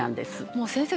もう先生